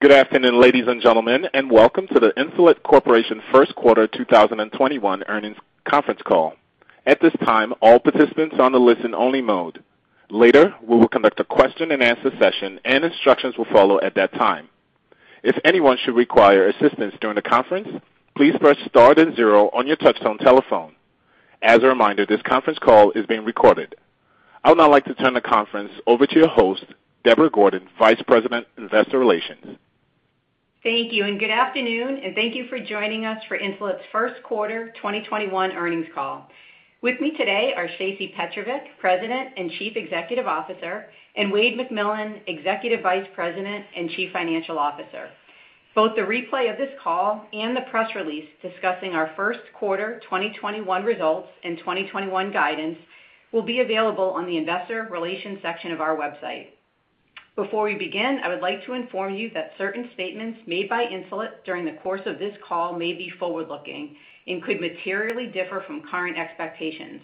Good afternoon, ladies and gentlemen, and welcome to the Insulet Corporation first quarter 2021 earnings conference call. At this time, all participants are on the listen only mode. Later, we will conduct a question and answer session and instructions will follow at that time. If anyone should require assistance during the conference, please press star then zero on your touchtone telephone. As a reminder, this conference call is being recorded. I would now like to turn the conference over to your host, Deborah Gordon, Vice President, Investor Relations. Thank you and good afternoon, and thank you for joining us for Insulet's first quarter 2021 earnings call. With me today are Shacey Petrovic, President and Chief Executive Officer, and Wayde McMillan, Executive Vice President and Chief Financial Officer. Both the replay of this call and the press release discussing our first quarter 2021 results and 2021 guidance will be available on the investor relations section of our website. Before we begin, I would like to inform you that certain statements made by Insulet during the course of this call may be forward-looking and could materially differ from current expectations.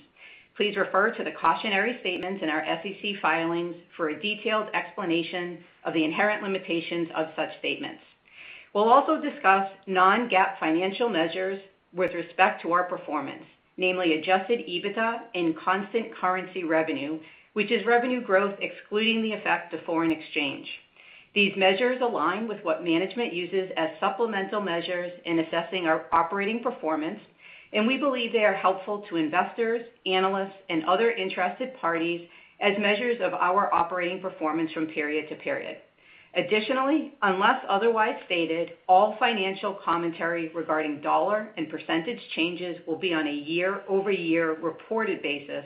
Please refer to the cautionary statements in our SEC filings for a detailed explanation of the inherent limitations of such statements. We'll also discuss non-GAAP financial measures with respect to our performance, namely adjusted EBITDA and constant currency revenue, which is revenue growth excluding the effect of foreign exchange. These measures align with what management uses as supplemental measures in assessing our operating performance, and we believe they are helpful to investors, analysts, and other interested parties as measures of our operating performance from period to period. Additionally, unless otherwise stated, all financial commentary regarding dollar and percentage changes will be on a year-over-year reported basis,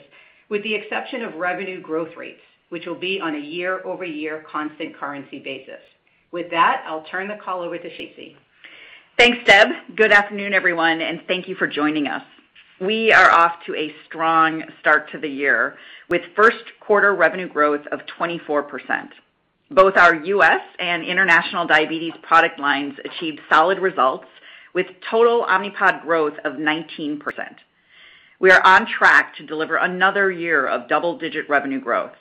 with the exception of revenue growth rates, which will be on a year-over-year constant currency basis. With that, I'll turn the call over to Shacey. Thanks, Deb. Good afternoon, everyone, and thank you for joining us. We are off to a strong start to the year with first quarter revenue growth of 24%. Both our U.S. and international diabetes product lines achieved solid results with total Omnipod growth of 19%. We are on track to deliver another year of double-digit revenue growth.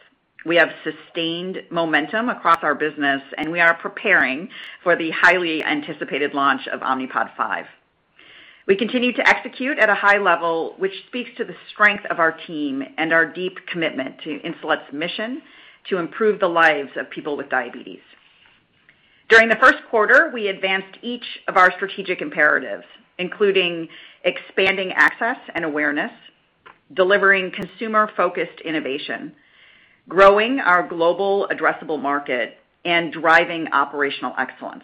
We have sustained momentum across our business, and we are preparing for the highly anticipated launch of Omnipod 5. We continue to execute at a high level, which speaks to the strength of our team and our deep commitment to Insulet's mission to improve the lives of people with diabetes. During the first quarter, we advanced each of our strategic imperatives, including expanding access and awareness, delivering consumer-focused innovation, growing our global addressable market, and driving operational excellence.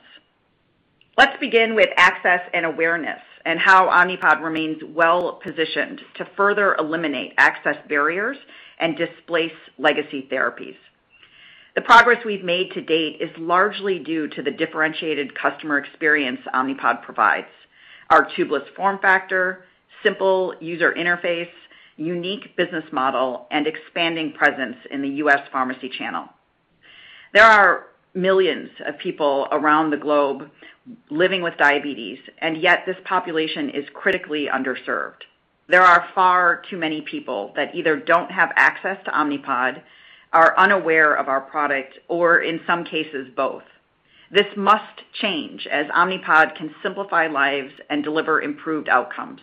Let's begin with access and awareness and how Omnipod remains well positioned to further eliminate access barriers and displace legacy therapies. The progress we've made to date is largely due to the differentiated customer experience Omnipod provides. Our tubeless form factor, simple user interface, unique business model, and expanding presence in the U.S. pharmacy channel. There are millions of people around the globe living with diabetes, and yet this population is critically underserved. There are far too many people that either don't have access to Omnipod, are unaware of our product, or in some cases, both. This must change, as Omnipod can simplify lives and deliver improved outcomes.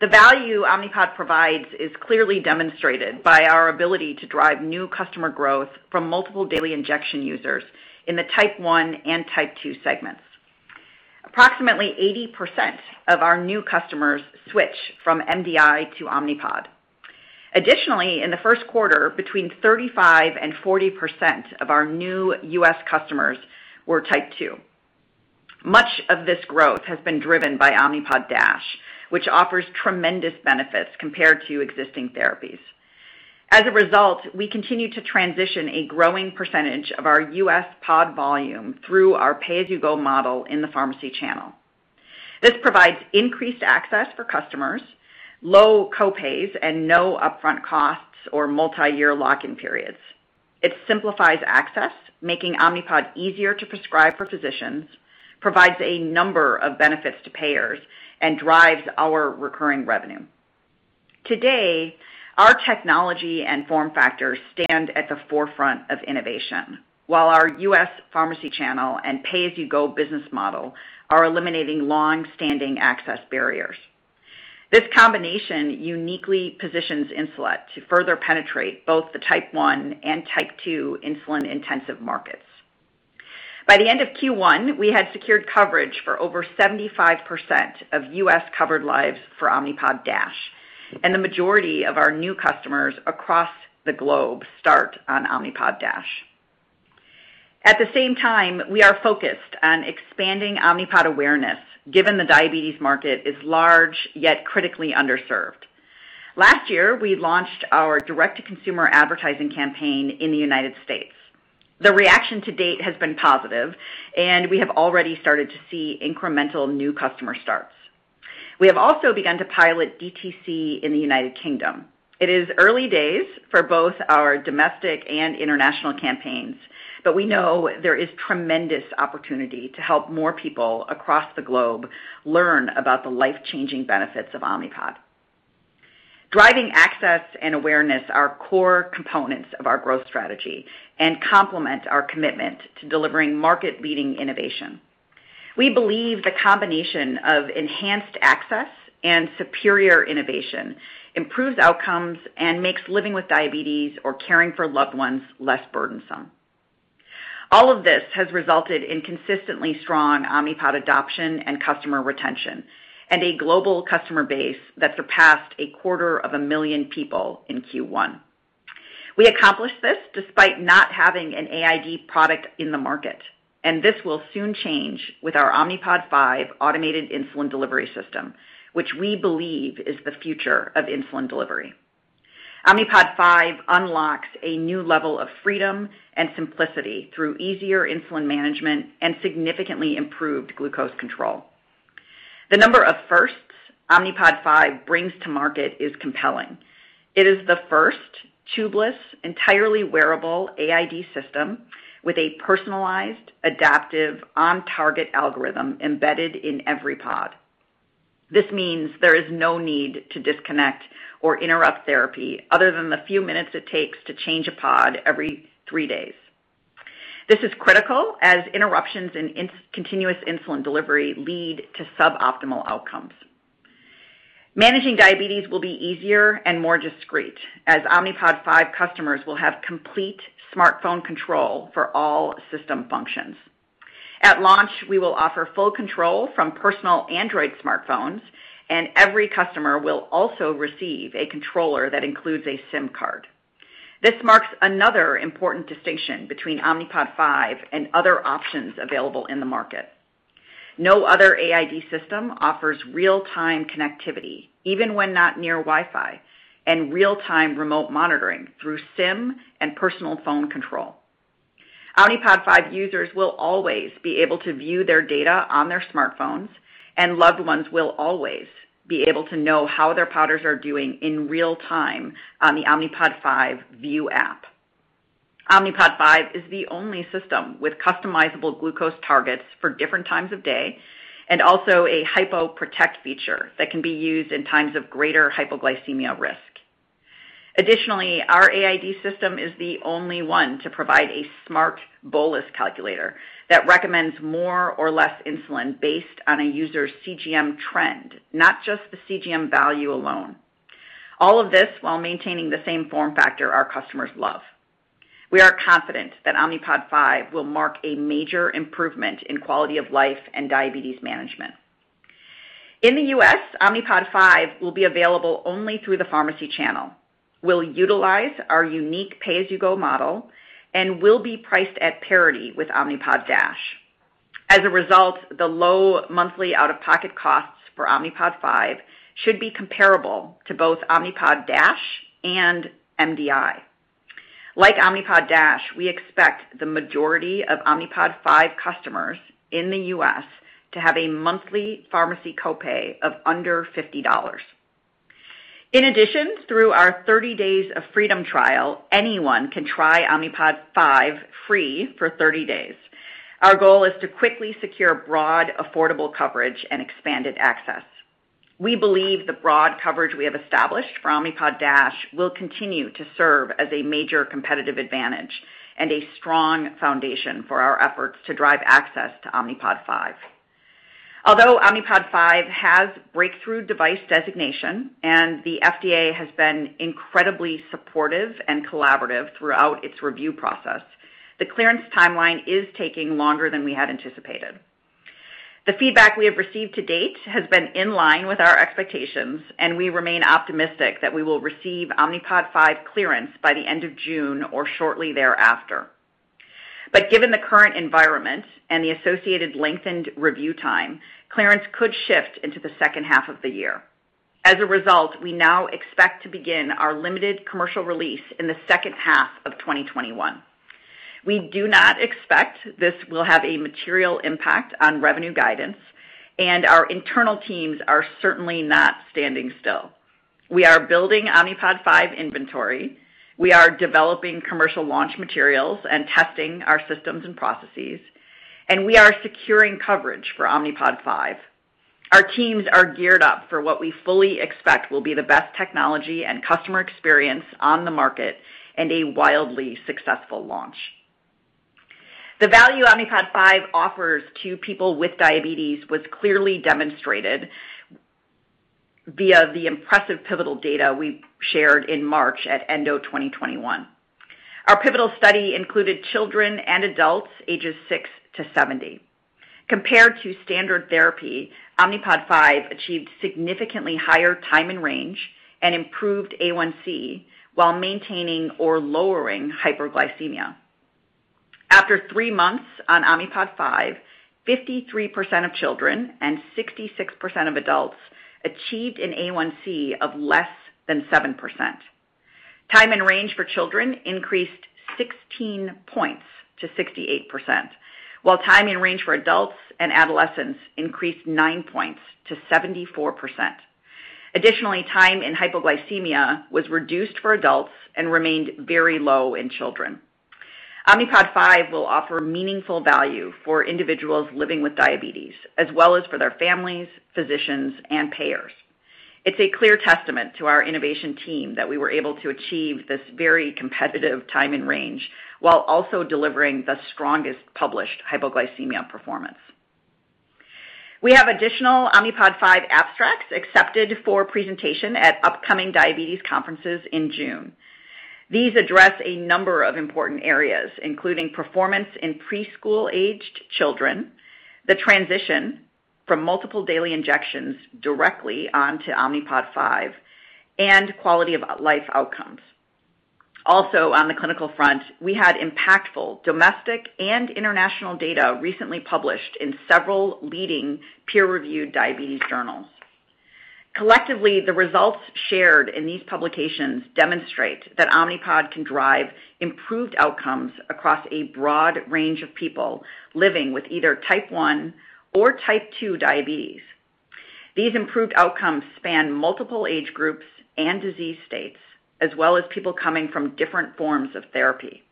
The value Omnipod provides is clearly demonstrated by our ability to drive new customer growth from multiple daily injection users in the type 1 and type 2 segments. Approximately 80% of our new customers switch from MDI to Omnipod. Additionally, in the first quarter, between 35%-40% of our new U.S. customers were type 2. Much of this growth has been driven by Omnipod DASH, which offers tremendous benefits compared to existing therapies. As a result, we continue to transition a growing percentage of our U.S. pod volume through our pay-as-you-go model in the pharmacy channel. This provides increased access for customers, low co-pays, and no upfront costs or multi-year lock-in periods. It simplifies access, making Omnipod easier to prescribe for physicians, provides a number of benefits to payers, and drives our recurring revenue. Today, our technology and form factors stand at the forefront of innovation. While our U.S. pharmacy channel and pay-as-you-go business model are eliminating longstanding access barriers. This combination uniquely positions Insulet to further penetrate both the type 1 and type 2 insulin-intensive markets. By the end of Q1, we had secured coverage for over 75% of U.S.-covered lives for Omnipod DASH, and the majority of our new customers across the globe start on Omnipod DASH. At the same time, we are focused on expanding Omnipod awareness, given the diabetes market is large, yet critically underserved. Last year, we launched our direct-to-consumer advertising campaign in the U.S. The reaction to date has been positive, and we have already started to see incremental new customer starts. We have also begun to pilot DTC in the U.K. It is early days for both our domestic and international campaigns, but we know there is tremendous opportunity to help more people across the globe learn about the life-changing benefits of Omnipod. Driving access and awareness are core components of our growth strategy and complement our commitment to delivering market-leading innovation. We believe the combination of enhanced access and superior innovation improves outcomes and makes living with diabetes or caring for loved ones less burdensome. All of this has resulted in consistently strong Omnipod adoption and customer retention, and a global customer base that surpassed a quarter of a million people in Q1. We accomplished this despite not having an AID product in the market, and this will soon change with our Omnipod 5 automated insulin delivery system, which we believe is the future of insulin delivery. Omnipod 5 unlocks a new level of freedom and simplicity through easier insulin management and significantly improved glucose control. The number of firsts Omnipod 5 brings to market is compelling. It is the first tubeless, entirely wearable AID system with a personalized, adaptive on-target algorithm embedded in every pod. This means there is no need to disconnect or interrupt therapy other than the few minutes it takes to change a pod every three days. This is critical, as interruptions in continuous insulin delivery lead to suboptimal outcomes. Managing diabetes will be easier and more discreet, as Omnipod 5 customers will have complete smartphone control for all system functions. At launch, we will offer full control from personal Android smartphones, and every customer will also receive a controller that includes a SIM card. This marks another important distinction between Omnipod 5 and other options available in the market. No other AID system offers real-time connectivity, even when not near Wi-Fi, and real-time remote monitoring through SIM and personal phone control. Omnipod 5 users will always be able to view their data on their smartphones, and loved ones will always be able to know how their podders are doing in real time on the Omnipod VIEW app. Omnipod 5 is the only system with customizable glucose targets for different times of day and also a HypoProtect feature that can be used in times of greater hypoglycemia risk. Our AID system is the only one to provide a SmartBolus calculator that recommends more or less insulin based on a user's CGM trend, not just the CGM value alone. All of this while maintaining the same form factor our customers love. We are confident that Omnipod 5 will mark a major improvement in quality of life and diabetes management. In the U.S., Omnipod 5 will be available only through the pharmacy channel. We'll utilize our unique pay-as-you-go model and will be priced at parity with Omnipod DASH. As a result, the low monthly out-of-pocket costs for Omnipod 5 should be comparable to both Omnipod DASH and MDI. Like Omnipod DASH, we expect the majority of Omnipod 5 customers in the U.S. to have a monthly pharmacy copay of under $50. In addition, through our 30 Days of Freedom trial, anyone can try Omnipod 5 free for 30 days. Our goal is to quickly secure broad, affordable coverage, and expanded access. We believe the broad coverage we have established for Omnipod DASH will continue to serve as a major competitive advantage and a strong foundation for our efforts to drive access to Omnipod 5. Although Omnipod 5 has breakthrough device designation and the FDA has been incredibly supportive and collaborative throughout its review process, the clearance timeline is taking longer than we had anticipated. The feedback we have received to date has been in line with our expectations, and we remain optimistic that we will receive Omnipod 5 clearance by the end of June or shortly thereafter. Given the current environment and the associated lengthened review time, clearance could shift into the second half of the year. As a result, we now expect to begin our limited commercial release in the second half of 2021. We do not expect this will have a material impact on revenue guidance, and our internal teams are certainly not standing still. We are building Omnipod 5 inventory. We are developing commercial launch materials and testing our systems and processes, and we are securing coverage for Omnipod 5. Our teams are geared up for what we fully expect will be the best technology and customer experience on the market and a wildly successful launch. The value Omnipod 5 offers to people with diabetes was clearly demonstrated via the impressive pivotal data we shared in March at ENDO 2021. Our pivotal study included children and adults ages six to 70. Compared to standard therapy, Omnipod 5 achieved significantly higher time in range and improved A1C while maintaining or lowering hyperglycemia. After three months on Omnipod 5, 53% of children and 66% of adults achieved an A1C of less than 7%. Time in range for children increased 16 points to 68%, while time in range for adults and adolescents increased nine points to 74%. Additionally, time in hypoglycemia was reduced for adults and remained very low in children. Omnipod 5 will offer meaningful value for individuals living with diabetes, as well as for their families, physicians, and payers. It's a clear testament to our innovation team that we were able to achieve this very competitive time in range while also delivering the strongest published hypoglycemia performance. We have additional Omnipod 5 abstracts accepted for presentation at upcoming diabetes conferences in June. These address a number of important areas, including performance in preschool-aged children, the transition from multiple daily injections directly onto Omnipod 5, and quality of life outcomes. On the clinical front, we had impactful domestic and international data recently published in several leading peer-reviewed diabetes journals. Collectively, the results shared in these publications demonstrate that Omnipod can drive improved outcomes across a broad range of people living with either type 1 or type 2 diabetes. These improved outcomes span multiple age groups and disease states, as well as people coming from different forms of therapy.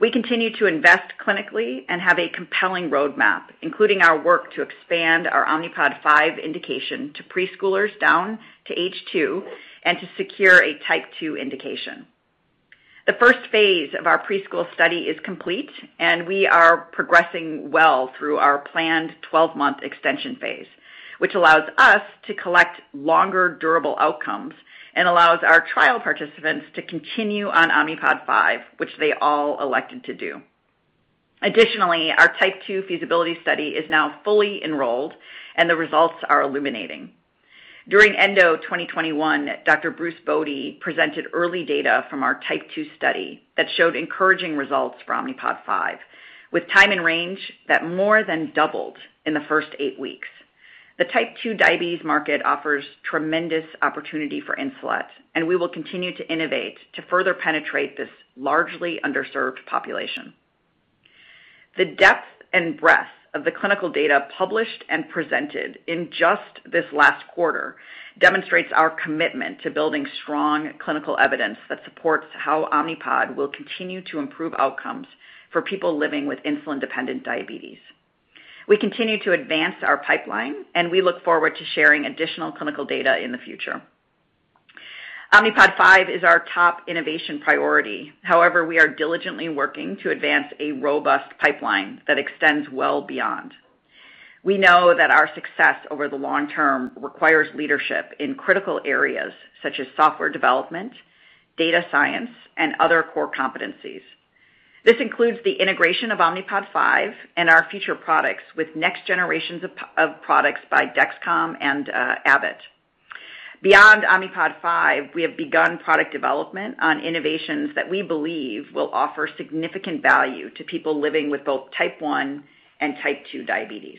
We continue to invest clinically and have a compelling roadmap, including our work to expand our Omnipod 5 indication to preschoolers down to age two and to secure a type 2 indication. The first phase of our preschool study is complete, and we are progressing well through our planned 12-month extension phase, which allows us to collect longer durable outcomes and allows our trial participants to continue on Omnipod 5, which they all elected to do. Additionally, our type 2 feasibility study is now fully enrolled and the results are illuminating. During ENDO 2021, Dr. Bruce Bode presented early data from our type 2 study that showed encouraging results for Omnipod 5, with time in range that more than doubled in the first eight weeks. The type 2 diabetes market offers tremendous opportunity for Insulet. We will continue to innovate to further penetrate this largely underserved population. The depth and breadth of the clinical data published and presented in just this last quarter demonstrates our commitment to building strong clinical evidence that supports how Omnipod will continue to improve outcomes for people living with insulin-dependent diabetes. We continue to advance our pipeline. We look forward to sharing additional clinical data in the future. Omnipod 5 is our top innovation priority. We are diligently working to advance a robust pipeline that extends well beyond. We know that our success over the long term requires leadership in critical areas such as software development, data science, and other core competencies. This includes the integration of Omnipod 5 and our future products with next generations of products by Dexcom and Abbott. Beyond Omnipod 5, we have begun product development on innovations that we believe will offer significant value to people living with both type 1 and type 2 diabetes.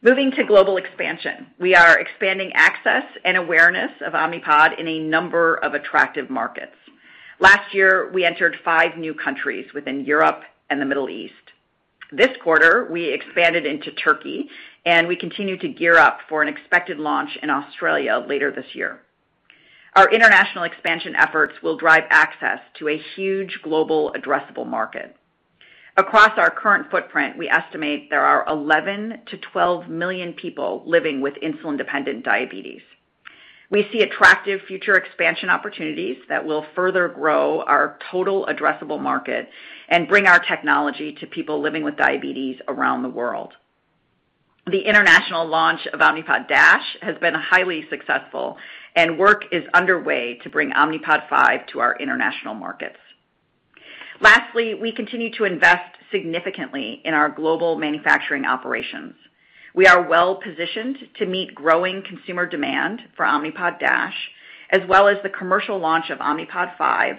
Moving to global expansion, we are expanding access and awareness of Omnipod in a number of attractive markets. Last year, we entered five new countries within Europe and the Middle East. This quarter, we expanded into Turkey, we continue to gear up for an expected launch in Australia later this year. Our international expansion efforts will drive access to a huge global addressable market. Across our current footprint, we estimate there are 11 million-12 million people living with insulin-dependent diabetes. We see attractive future expansion opportunities that will further grow our total addressable market and bring our technology to people living with diabetes around the world. The international launch of Omnipod DASH has been highly successful and work is underway to bring Omnipod 5 to our international markets. Lastly, we continue to invest significantly in our global manufacturing operations. We are well positioned to meet growing consumer demand for Omnipod DASH, as well as the commercial launch of Omnipod 5,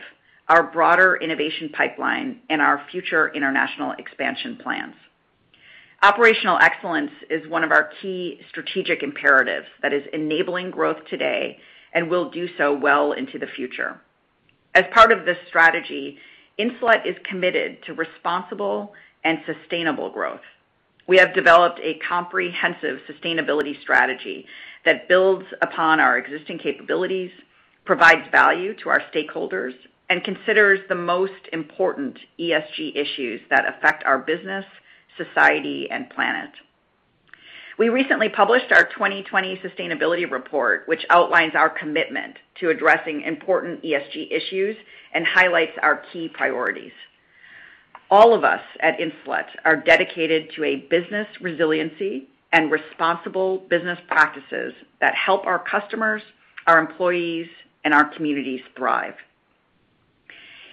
our broader innovation pipeline, and our future international expansion plans. Operational excellence is one of our key strategic imperatives that is enabling growth today and will do so well into the future. As part of this strategy, Insulet is committed to responsible and sustainable growth. We have developed a comprehensive sustainability strategy that builds upon our existing capabilities, provides value to our stakeholders, and considers the most important ESG issues that affect our business, society, and planet. We recently published our 2020 sustainability report, which outlines our commitment to addressing important ESG issues and highlights our key priorities. All of us at Insulet are dedicated to a business resiliency and responsible business practices that help our customers, our employees, and our communities thrive.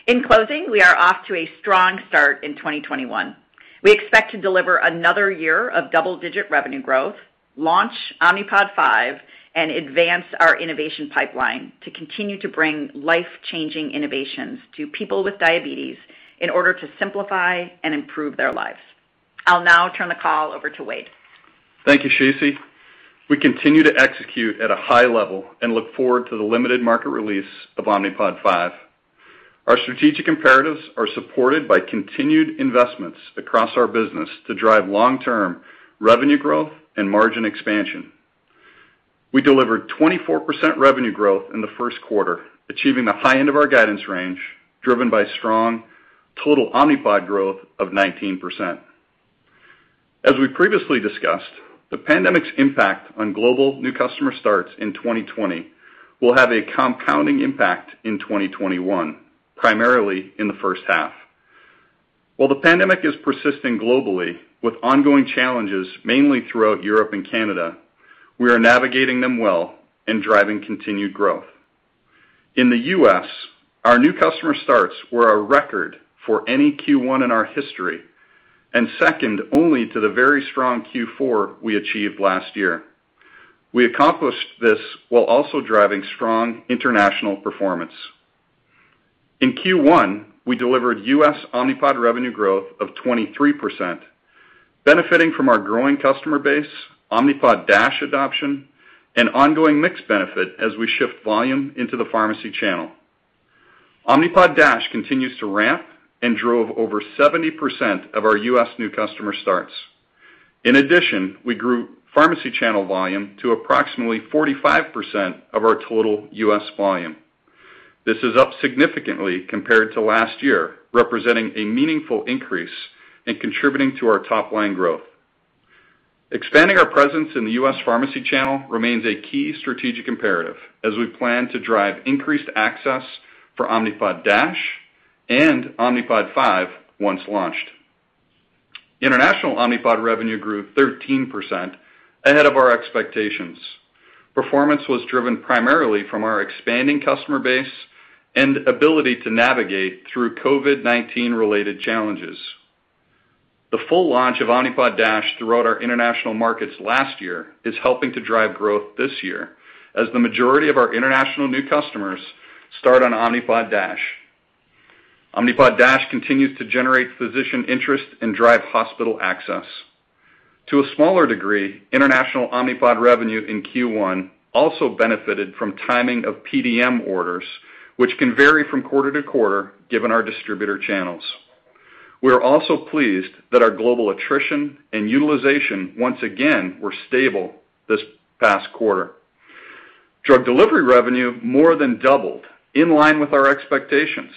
In closing, we are off to a strong start in 2021. We expect to deliver another year of double-digit revenue growth, launch Omnipod 5, and advance our innovation pipeline to continue to bring life-changing innovations to people with diabetes in order to simplify and improve their lives. I'll now turn the call over to Wayde. Thank you, Shacey. We continue to execute at a high level and look forward to the limited market release of Omnipod 5. Our strategic imperatives are supported by continued investments across our business to drive long-term revenue growth and margin expansion. We delivered 24% revenue growth in the first quarter, achieving the high end of our guidance range, driven by strong total Omnipod growth of 19%. As we previously discussed, the pandemic's impact on global new customer starts in 2020 will have a compounding impact in 2021, primarily in the first half. While the pandemic is persisting globally with ongoing challenges, mainly throughout Europe and Canada, we are navigating them well and driving continued growth. In the U.S., our new customer starts were a record for any Q1 in our history, and second only to the very strong Q4 we achieved last year. We accomplished this while also driving strong international performance. In Q1, we delivered U.S. Omnipod revenue growth of 23%, benefiting from our growing customer base, Omnipod DASH adoption, and ongoing mix benefit as we shift volume into the pharmacy channel. Omnipod DASH continues to ramp and drove over 70% of our U.S. new customer starts. In addition, we grew pharmacy channel volume to approximately 45% of our total U.S. volume. This is up significantly compared to last year, representing a meaningful increase and contributing to our top-line growth. Expanding our presence in the U.S. pharmacy channel remains a key strategic imperative as we plan to drive increased access for Omnipod DASH and Omnipod 5 once launched. International Omnipod revenue grew 13%, ahead of our expectations. Performance was driven primarily from our expanding customer base and ability to navigate through COVID-19 related challenges. The full launch of Omnipod DASH throughout our international markets last year is helping to drive growth this year as the majority of our international new customers start on Omnipod DASH. Omnipod DASH continues to generate physician interest and drive hospital access. To a smaller degree, international Omnipod revenue in Q1 also benefited from timing of PDM orders, which can vary from quarter to quarter given our distributor channels. We are also pleased that our global attrition and utilization, once again, were stable this past quarter. Drug delivery revenue more than doubled, in line with our expectations.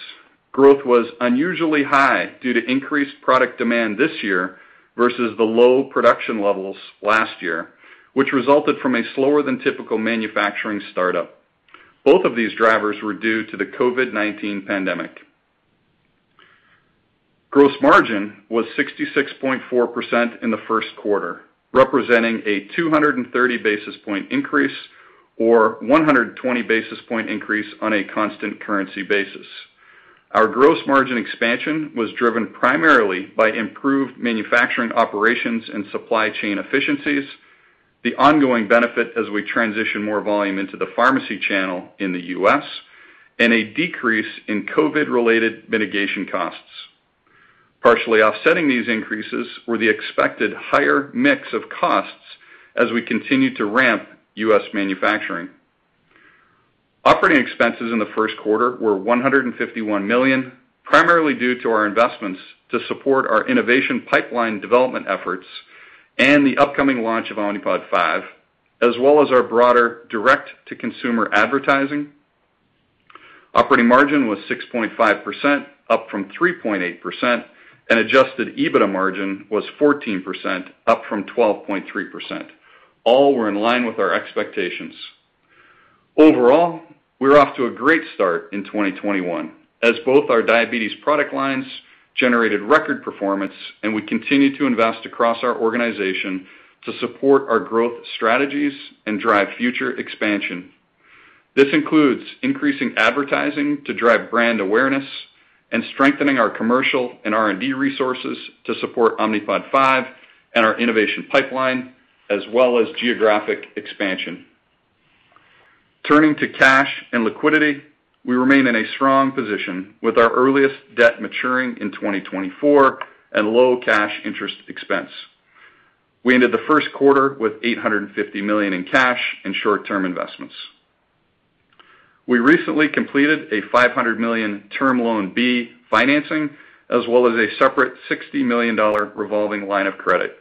Growth was unusually high due to increased product demand this year versus the low production levels last year, which resulted from a slower-than-typical manufacturing startup. Both of these drivers were due to the COVID-19 pandemic. Gross margin was 66.4% in the first quarter, representing a 230 basis point increase or 120 basis point increase on a constant currency basis. Our gross margin expansion was driven primarily by improved manufacturing operations and supply chain efficiencies, the ongoing benefit as we transition more volume into the pharmacy channel in the U.S., and a decrease in COVID-related mitigation costs. Partially offsetting these increases were the expected higher mix of costs as we continue to ramp U.S. manufacturing. Operating expenses in the first quarter were $151 million, primarily due to our investments to support our innovation pipeline development efforts and the upcoming launch of Omnipod 5, as well as our broader direct-to-consumer advertising. Operating margin was 6.5%, up from 3.8%, and adjusted EBITDA margin was 14%, up from 12.3%. All were in line with our expectations. Overall, we're off to a great start in 2021 as both our diabetes product lines generated record performance and we continue to invest across our organization to support our growth strategies and drive future expansion. This includes increasing advertising to drive brand awareness and strengthening our commercial and R&D resources to support Omnipod 5 and our innovation pipeline, as well as geographic expansion. Turning to cash and liquidity, we remain in a strong position with our earliest debt maturing in 2024 and low cash interest expense. We ended the first quarter with $850 million in cash and short-term investments. We recently completed a $500 million term loan B financing, as well as a separate $60 million revolving line of credit.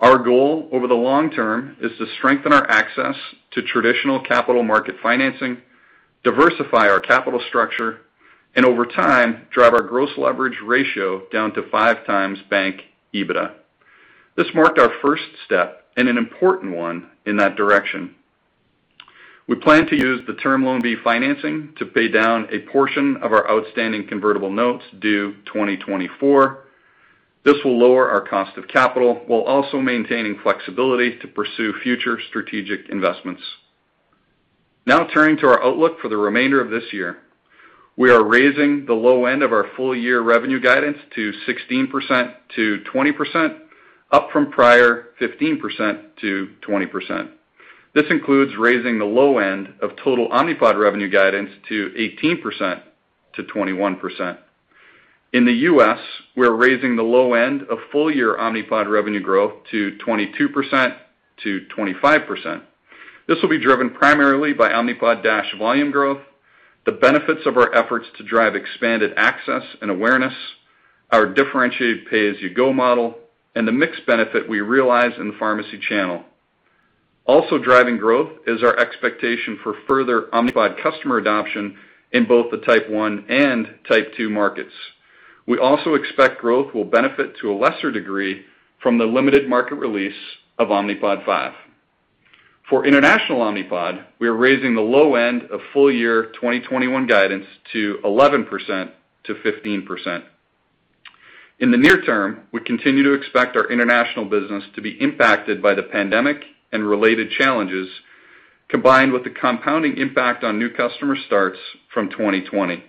Our goal over the long term is to strengthen our access to traditional capital market financing, diversify our capital structure, and over time, drive our gross leverage ratio down to five times bank EBITDA. This marked our first step, and an important one in that direction. We plan to use the term loan B financing to pay down a portion of our outstanding convertible notes due 2024. This will lower our cost of capital while also maintaining flexibility to pursue future strategic investments. Now turning to our outlook for the remainder of this year. We are raising the low end of our full year revenue guidance to 16%-20%, up from prior 15%-20%. This includes raising the low end of total Omnipod revenue guidance to 18%-21%. In the U.S., we're raising the low end of full year Omnipod revenue growth to 22%-25%. This will be driven primarily by Omnipod DASH volume growth, the benefits of our efforts to drive expanded access and awareness Our differentiated pay-as-you-go model, and the mix benefit we realize in the pharmacy channel. Also driving growth is our expectation for further Omnipod customer adoption in both the type 1 and type 2 markets. We also expect growth will benefit to a lesser degree from the limited market release of Omnipod 5. For international Omnipod, we are raising the low end of full year 2021 guidance to 11%-15%. In the near term, we continue to expect our international business to be impacted by the pandemic and related challenges, combined with the compounding impact on new customer starts from 2020.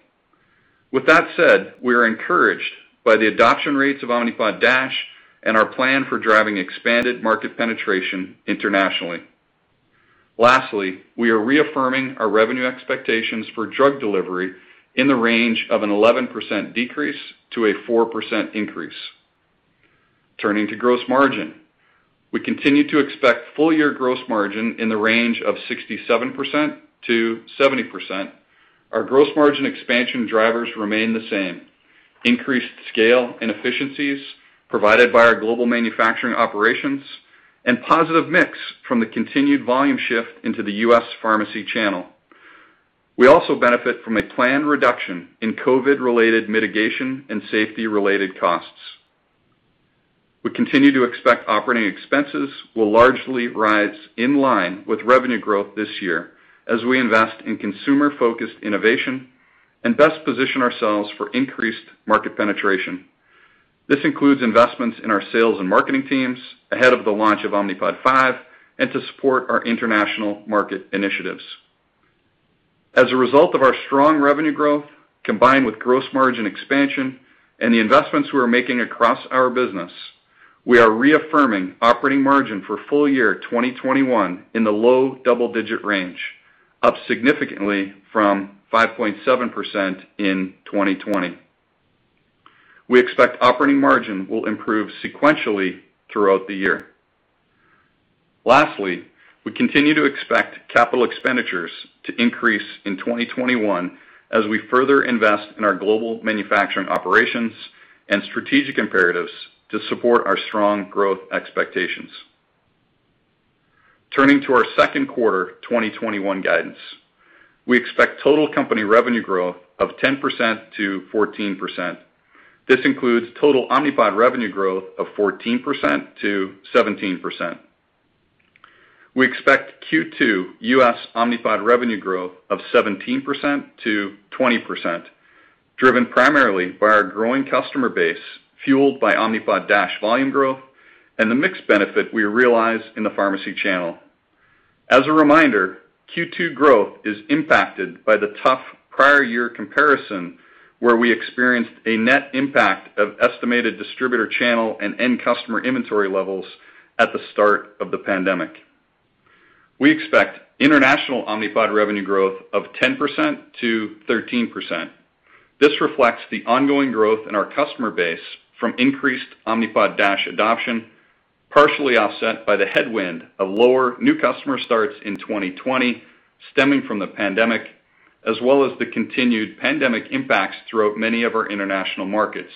With that said, we are encouraged by the adoption rates of Omnipod DASH and our plan for driving expanded market penetration internationally. Lastly, we are reaffirming our revenue expectations for drug delivery in the range of an 11% decrease to a 4% increase. Turning to gross margin. We continue to expect full year gross margin in the range of 67% to 70%. Our gross margin expansion drivers remain the same. Increased scale and efficiencies provided by our global manufacturing operations, and positive mix from the continued volume shift into the U.S. pharmacy channel. We also benefit from a planned reduction in COVID-related mitigation and safety-related costs. We continue to expect operating expenses will largely rise in line with revenue growth this year as we invest in consumer-focused innovation and best position ourselves for increased market penetration. This includes investments in our sales and marketing teams ahead of the launch of Omnipod 5 and to support our international market initiatives. As a result of our strong revenue growth, combined with gross margin expansion and the investments we're making across our business, we are reaffirming operating margin for full year 2021 in the low double-digit range, up significantly from 5.7% in 2020. We expect operating margin will improve sequentially throughout the year. Lastly, we continue to expect capital expenditures to increase in 2021 as we further invest in our global manufacturing operations and strategic imperatives to support our strong growth expectations. Turning to our second quarter 2021 guidance. We expect total company revenue growth of 10%-14%. This includes total Omnipod revenue growth of 14%-17%. We expect Q2 U.S. Omnipod revenue growth of 17%-20%, driven primarily by our growing customer base, fueled by Omnipod DASH volume growth, and the mix benefit we realize in the pharmacy channel. As a reminder, Q2 growth is impacted by the tough prior year comparison, where we experienced a net impact of estimated distributor channel and end customer inventory levels at the start of the pandemic. We expect international Omnipod revenue growth of 10% to 13%. This reflects the ongoing growth in our customer base from increased Omnipod DASH adoption, partially offset by the headwind of lower new customer starts in 2020 stemming from the pandemic, as well as the continued pandemic impacts throughout many of our international markets.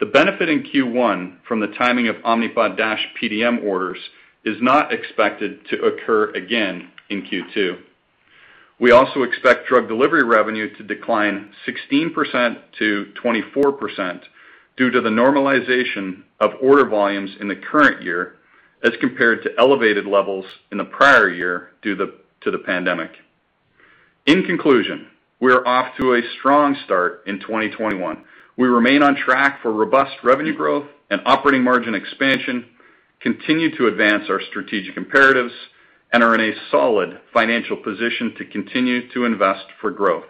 The benefit in Q1 from the timing of Omnipod DASH PDM orders is not expected to occur again in Q2. We also expect drug delivery revenue to decline 16% to 24% due to the normalization of order volumes in the current year as compared to elevated levels in the prior year due to the pandemic. In conclusion, we're off to a strong start in 2021. We remain on track for robust revenue growth and operating margin expansion, continue to advance our strategic imperatives, and are in a solid financial position to continue to invest for growth.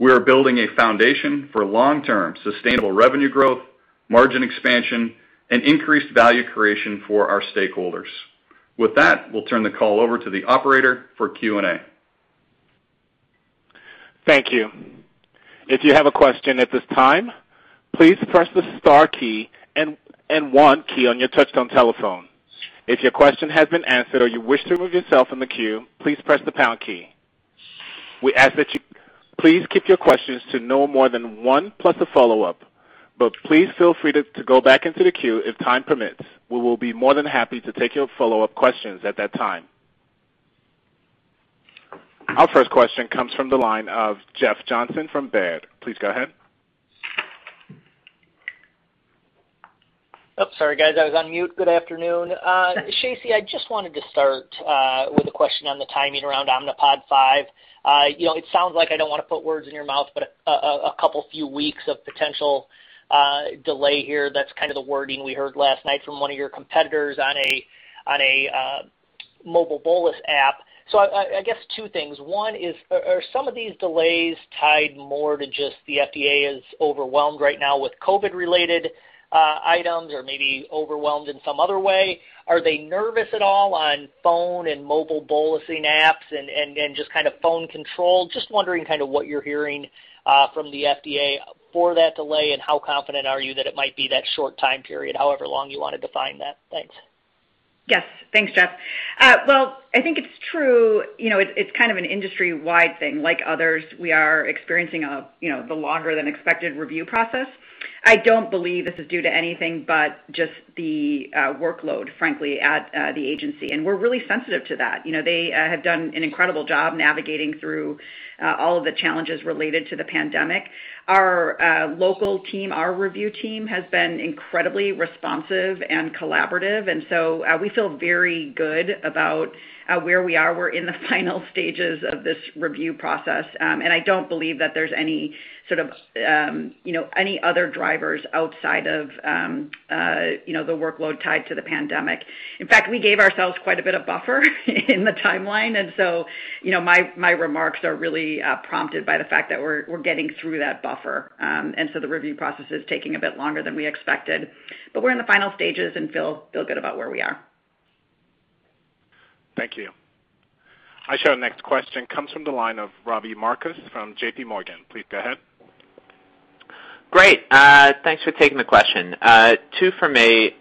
We are building a foundation for long-term sustainable revenue growth, margin expansion, and increased value creation for our stakeholders. With that, we'll turn the call over to the operator for Q&A. Thank you. If you have a question at this time, please press the star key and one key on your touchtone telephone. If your question has been answered or you wish to remove yourself from the queue, please press the pound key. We ask that you please keep your questions to no more than one plus a follow-up, but please feel free to go back into the queue if time permits. We will be more than happy to take your follow-up questions at that time. Our first question comes from the line of Jeff Johnson from Baird. Please go ahead. Sorry, guys. I was on mute. Good afternoon. Shacey, I just wanted to start with a question on the timing around Omnipod 5. It sounds like, I don't want to put words in your mouth, but a couple few weeks of potential delay here. That's kind of the wording we heard last night from one of your competitors on a mobile bolus app. I guess two things. One is, are some of these delays tied more to just the FDA is overwhelmed right now with COVID-related items or maybe overwhelmed in some other way? Are they nervous at all on phone and mobile bolusing apps and just kind of phone control? Just wondering what you're hearing from the FDA for that delay, and how confident are you that it might be that short time period, however long you want to define that? Thanks. Yes. Thanks, Jeff. Well, I think it's true. It's kind of an industry-wide thing. Like others, we are experiencing the longer than expected review process. I don't believe this is due to anything but just the workload, frankly, at the agency. We're really sensitive to that. They have done an incredible job navigating through all of the challenges related to the pandemic. Our local team, our review team, has been incredibly responsive and collaborative. We feel very good about where we are. We're in the final stages of this review process. I don't believe that there's any other drivers outside of the workload tied to the pandemic. In fact, we gave ourselves quite a bit of buffer in the timeline. My remarks are really prompted by the fact that we're getting through that buffer. the review process is taking a bit longer than we expected, but we're in the final stages and feel good about where we are. Thank you. I show our next question comes from the line of Robbie Marcus from JPMorgan. Please go ahead. Great. Thanks for taking the question. Two from me.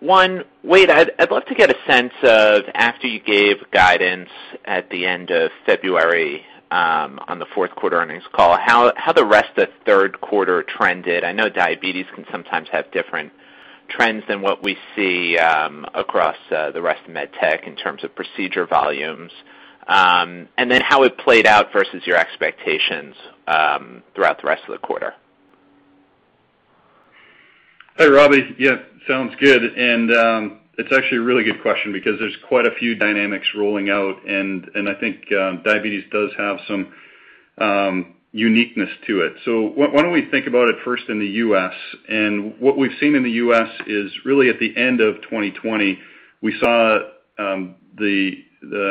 One, Wayde, I'd love to get a sense of, after you gave guidance at the end of February, on the fourth quarter earnings call, how the rest of the third quarter trended. I know diabetes can sometimes have different trends than what we see across the rest of med tech in terms of procedure volumes. how it played out versus your expectations throughout the rest of the quarter. Hi, Robbie Yeah. Sounds good. It's actually a really good question because there's quite a few dynamics rolling out, and I think diabetes does have some uniqueness to it. Why don't we think about it first in the U.S. What we've seen in the U.S. is really at the end of 2020, we saw the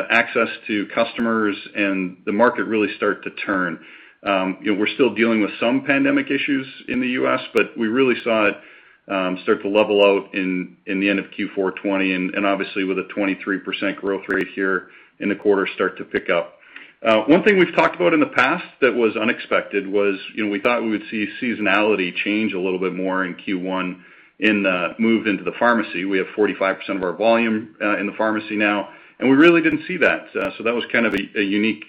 access to customers and the market really start to turn. We're still dealing with some pandemic issues in the U.S., but we really saw it start to level out in the end of Q4 2020, and obviously with a 23% growth rate here in the quarter, start to pick up. One thing we've talked about in the past that was unexpected was we thought we would see seasonality change a little bit more in Q1 in the move into the pharmacy. We have 45% of our volume in the pharmacy now, and we really didn't see that. That was kind of a unique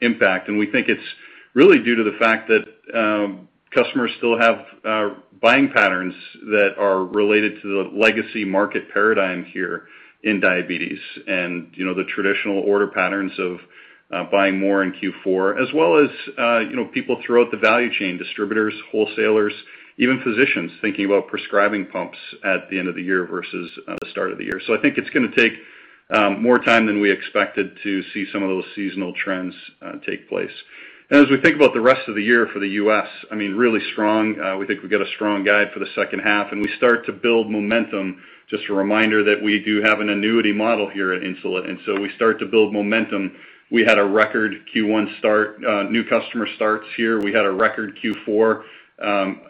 impact, and we think it's really due to the fact that customers still have buying patterns that are related to the legacy market paradigm here in diabetes. The traditional order patterns of buying more in Q4 as well as people throughout the value chain, distributors, wholesalers, even physicians thinking about prescribing pumps at the end of the year versus the start of the year. I think it's going to take more time than we expected to see some of those seasonal trends take place. As we think about the rest of the year for the U.S., really strong. We think we get a strong guide for the second half, and we start to build momentum. Just a reminder that we do have an annuity model here at Insulet, and so we start to build momentum. We had a record Q1 start. New customer starts here. We had a record Q4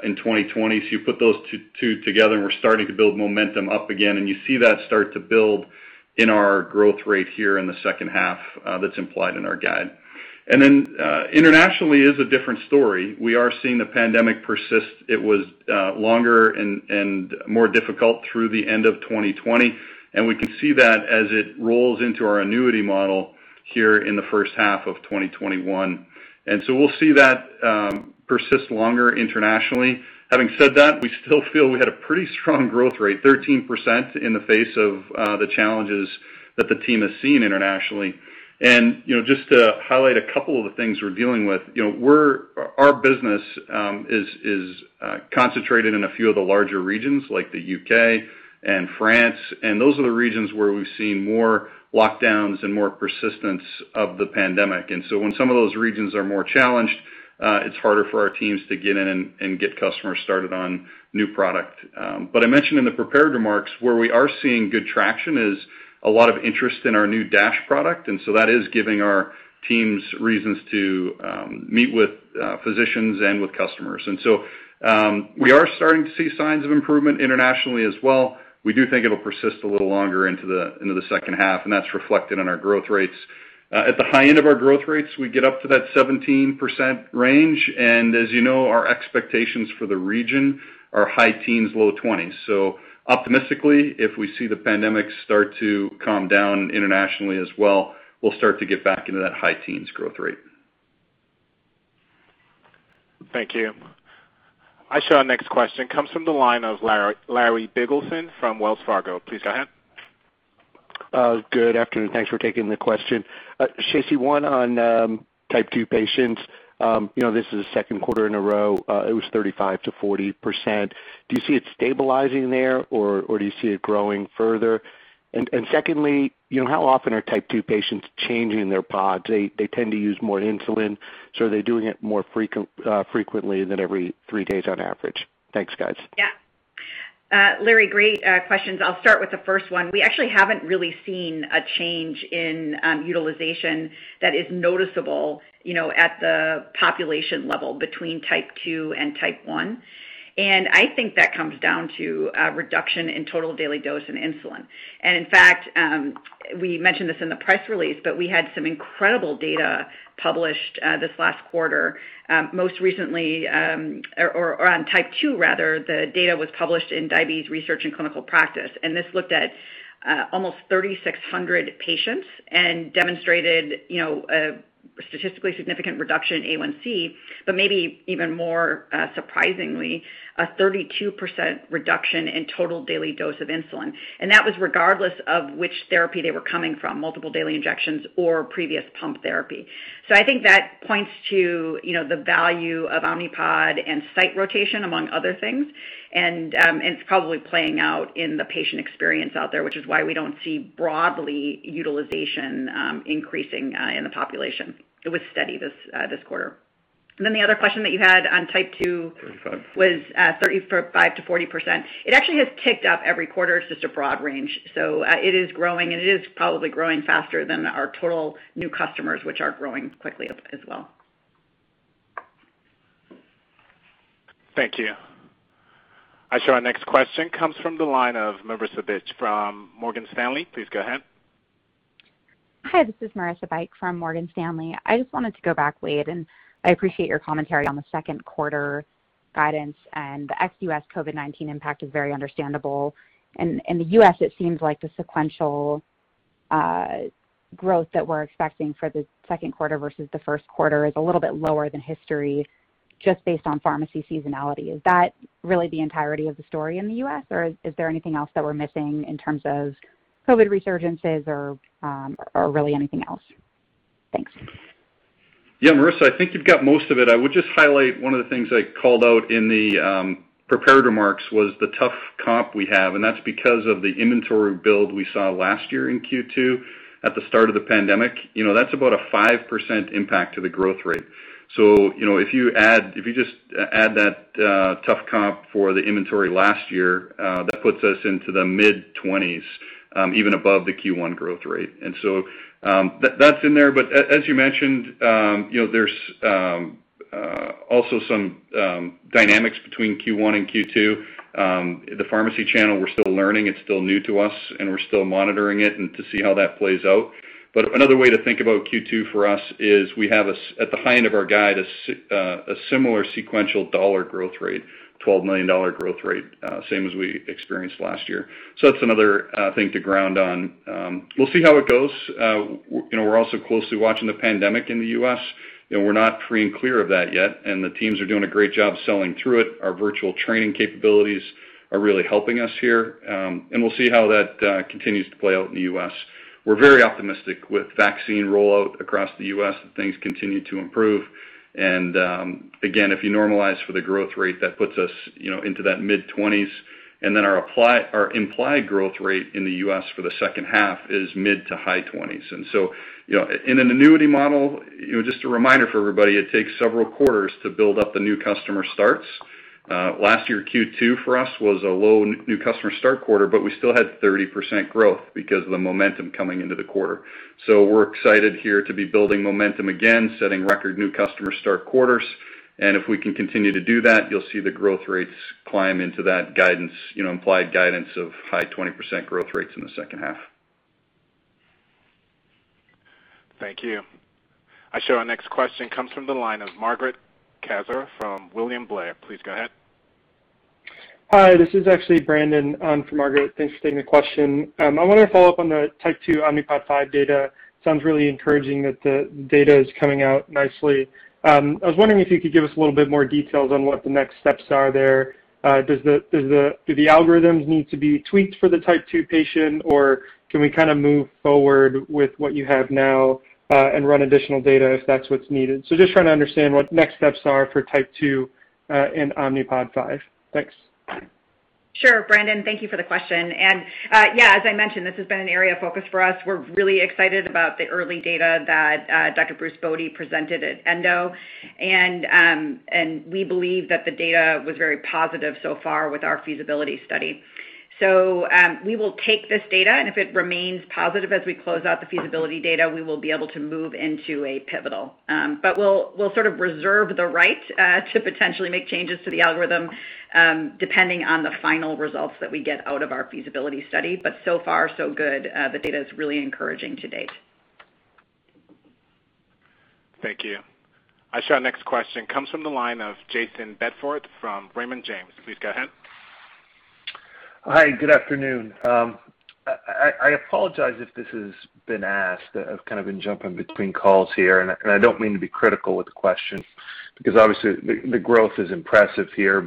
in 2020. You put those two together, and we're starting to build momentum up again, and you see that start to build in our growth rate here in the second half that's implied in our guide. Internationally is a different story. We are seeing the pandemic persist. It was longer and more difficult through the end of 2020, and we can see that as it rolls into our annuity model here in the first half of 2021. We'll see that persist longer internationally. Having said that, we still feel we had a pretty strong growth rate, 13%, in the face of the challenges that the team has seen internationally. Just to highlight a couple of the things we're dealing with. Our business is concentrated in a few of the larger regions like the U.K. and France, and those are the regions where we've seen more lockdowns and more persistence of the pandemic. When some of those regions are more challenged, it's harder for our teams to get in and get customers started on new product. I mentioned in the prepared remarks, where we are seeing good traction is a lot of interest in our new DASH product, and so that is giving our teams reasons to meet with physicians and with customers. We are starting to see signs of improvement internationally as well. We do think it'll persist a little longer into the second half, and that's reflected in our growth rates. At the high end of our growth rates, we get up to that 17% range. as you know, our expectations for the region are high teens, low 20s. optimistically, if we see the pandemic start to calm down internationally as well, we'll start to get back into that high teens growth rate. Thank you. I show our next question comes from the line of Larry Biegelsen from Wells Fargo. Please go ahead. Good afternoon. Thanks for taking the question. Shacey, one on type 2 patients. This is the second quarter in a row. It was 35%-40%. Do you see it stabilizing there, or do you see it growing further? Secondly, how often are type 2 patients changing their pods? They tend to use more insulin, so are they doing it more frequently than every three days on average? Thanks, guys. Yeah. Larry, great questions. I'll start with the first one. We actually haven't really seen a change in utilization that is noticeable at the population level between type 2 and type 1. I think that comes down to a reduction in total daily dose in insulin. In fact, we mentioned this in the press release, but we had some incredible data published this last quarter. Most recently or on type 2 rather, the data was published in Diabetes Research and Clinical Practice, and this looked at almost 3,600 patients and demonstrated a statistically significant reduction in A1C, but maybe even more surprisingly, a 32% reduction in total daily dose of insulin. That was regardless of which therapy they were coming from, multiple daily injections or previous pump therapy. I think that points to the value of Omnipod and site rotation, among other things. It's probably playing out in the patient experience out there, which is why we don't see broadly utilization increasing in the population. It was steady this quarter. The other question that you had on type 2- 35 was 35%-40%. It actually has ticked up every quarter. It's just a broad range. It is growing, and it is probably growing faster than our total new customers, which are growing quickly as well. Thank you. I show our next question comes from the line of Marissa Bych from Morgan Stanley. Please go ahead. Hi, this is Marissa Bych from Morgan Stanley. I just wanted to go back, Wayde, and I appreciate your commentary on the second quarter guidance and the ex-U.S. COVID-19 impact is very understandable. In the U.S., it seems like the sequential growth that we're expecting for the second quarter versus the first quarter is a little bit lower than history just based on pharmacy seasonality. Is that really the entirety of the story in the U.S., or is there anything else that we're missing in terms of COVID resurgences or really anything else? Thanks. Yeah, Marissa, I think you've got most of it. I would just highlight one of the things I called out in the prepared remarks was the tough comp we have, and that's because of the inventory build we saw last year in Q2 at the start of the pandemic. That's about a 5% impact to the growth rate. If you just add that tough comp for the inventory last year, that puts us into the mid-20s, even above the Q1 growth rate. That's in there, but as you mentioned, there's also some dynamics between Q1 and Q2. The pharmacy channel, we're still learning. It's still new to us, and we're still monitoring it and to see how that plays out. Another way to think about Q2 for us is we have, at the high end of our guide, a similar sequential dollar growth rate, $12 million growth rate, same as we experienced last year. That's another thing to ground on. We'll see how it goes. We're also closely watching the pandemic in the U.S. We're not free and clear of that yet, and the teams are doing a great job selling through it. Our virtual training capabilities are really helping us here. We'll see how that continues to play out in the U.S. We're very optimistic with vaccine rollout across the U.S. that things continue to improve. Again, if you normalize for the growth rate, that puts us into that mid-20s. Then our implied growth rate in the U.S. for the second half is mid to high 20s. In an annuity model, just a reminder for everybody, it takes several quarters to build up the new customer starts. Last year, Q2 for us was a low new customer start quarter, but we still had 30% growth because of the momentum coming into the quarter. We're excited here to be building momentum again, setting record new customer start quarters. If we can continue to do that, you'll see the growth rates climb into that implied guidance of high 20% growth rates in the second half. Thank you. I show our next question comes from the line of Margaret Kaczor from William Blair. Please go ahead. Hi, this is actually Brandon in for Margaret. Thanks for taking the question. I wanted to follow up on the type 2 Omnipod 5 data. Sounds really encouraging that the data is coming out nicely. I was wondering if you could give us a little bit more details on what the next steps are there. Do the algorithms need to be tweaked for the type 2 patient, or can we kind of move forward with what you have now, and run additional data if that's what's needed? Just trying to understand what the next steps are for type 2 in Omnipod 5. Thanks. Sure, Brandon. Thank you for the question. Yeah, as I mentioned, this has been an area of focus for us. We're really excited about the early data that Dr. Bruce Bode presented at ENDO. We believe that the data was very positive so far with our feasibility study. We will take this data, and if it remains positive as we close out the feasibility data, we will be able to move into a pivotal. We'll sort of reserve the right to potentially make changes to the algorithm, depending on the final results that we get out of our feasibility study. So far so good. The data is really encouraging to date. Thank you. I show our next question comes from the line of Jayson Bedford from Raymond James. Please go ahead. Hi, good afternoon. I apologize if this has been asked. I've kind of been jumping between calls here, and I don't mean to be critical with the question because obviously the growth is impressive here.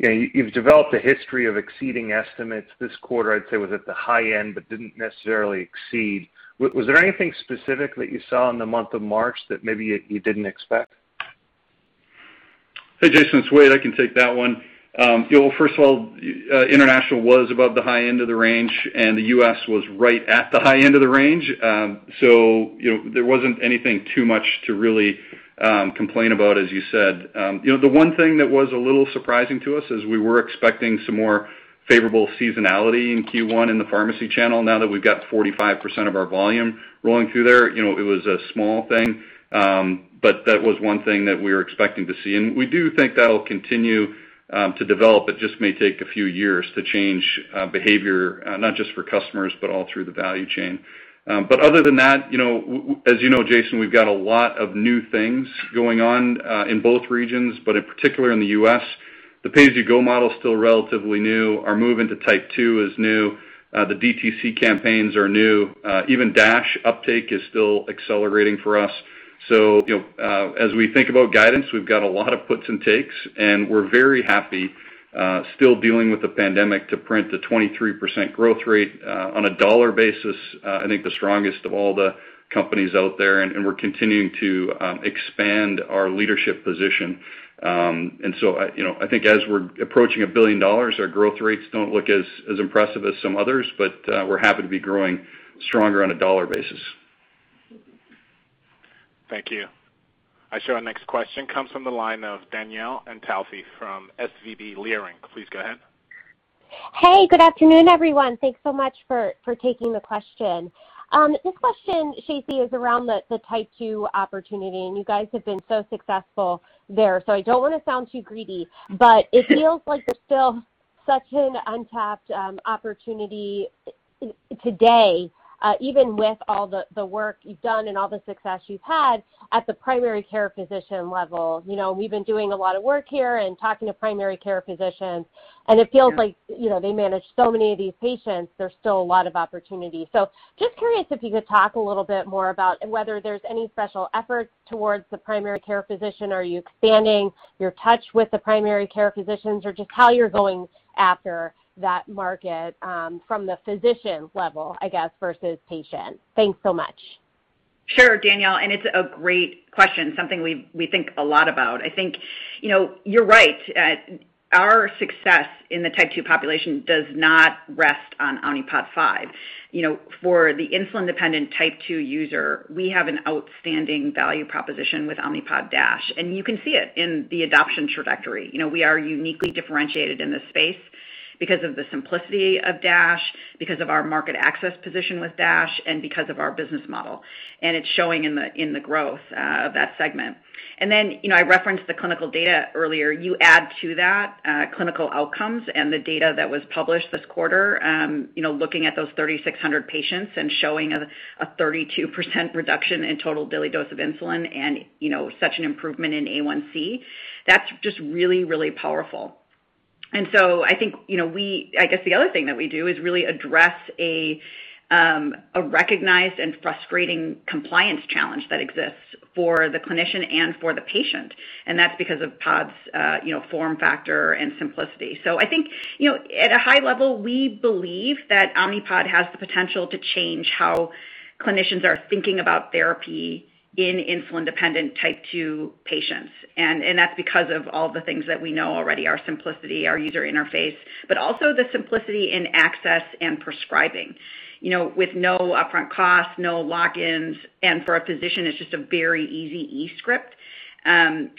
You've developed a history of exceeding estimates. This quarter, I'd say, was at the high end but didn't necessarily exceed. Was there anything specific that you saw in the month of March that maybe you didn't expect? Hey, Jayson. It's Wayde. I can take that one. First of all, international was above the high end of the range, and the U.S. was right at the high end of the range. There wasn't anything too much to really complain about, as you said. The one thing that was a little surprising to us is we were expecting some more favorable seasonality in Q1 in the pharmacy channel now that we've got 45% of our volume rolling through there. It was a small thing, but that was one thing that we were expecting to see. We do think that'll continue to develop. It just may take a few years to change behavior, not just for customers, but all through the value chain. Other than that, as you know, Jayson, we've got a lot of new things going on in both regions, but in particular in the U.S. The pay-as-you-go model is still relatively new. Our move into type 2 is new. The DTC campaigns are new. Even DASH uptake is still accelerating for us. As we think about guidance, we've got a lot of puts and takes, and we're very happy, still dealing with the pandemic to print a 23% growth rate on a dollar basis. I think the strongest of all the companies out there, and we're continuing to expand our leadership position. I think as we're approaching a billion dollars, our growth rates don't look as impressive as some others, but we're happy to be growing stronger on a dollar basis. Thank you. I show our next question comes from the line of Danielle Antalffy from SVB Leerink. Please go ahead. Hey, good afternoon, everyone. Thanks so much for taking the question. This question, Shacey, is around the type 2 opportunity, and you guys have been so successful there, so I don't want to sound too greedy, but it feels like there's still such an untapped opportunity today. Even with all the work you've done and all the success you've had at the primary care physician level. We've been doing a lot of work here and talking to primary care physicians, and it feels like they manage so many of these patients. There's still a lot of opportunity. Just curious if you could talk a little bit more about whether there's any special efforts towards the primary care physician. Are you expanding your touch with the primary care physicians or just how you're going after that market from the physician level, I guess, versus patient? Thanks so much. Sure, Danielle, and it's a great question, something we think a lot about. I think you're right. Our success in the type 2 population does not rest on Omnipod 5. For the insulin-dependent type 2 user, we have an outstanding value proposition with Omnipod DASH, and you can see it in the adoption trajectory. We are uniquely differentiated in this space because of the simplicity of DASH, because of our market access position with DASH, and because of our business model. It's showing in the growth of that segment. I referenced the clinical data earlier. You add to that clinical outcomes and the data that was published this quarter. Looking at those 3,600 patients and showing a 32% reduction in total daily dose of insulin and such an improvement in A1C, that's just really powerful. I think, I guess the other thing that we do is really address a recognized and frustrating compliance challenge that exists for the clinician and for the patient, and that's because of Pod's form factor and simplicity. I think, at a high level, we believe that Omnipod has the potential to change how clinicians are thinking about therapy in insulin-dependent type 2 patients. That's because of all the things that we know already, our simplicity, our user interface, but also the simplicity in access and prescribing. With no upfront costs, no lock-ins, and for a physician, it's just a very easy e-script. Clinicians